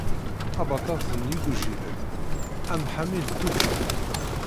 Ababat n yigujilen, amḥami n tuǧǧal.